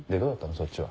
そっちは。